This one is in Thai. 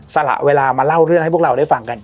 สละเวลามาเล่าเรื่องให้พวกเราได้ฟังกัน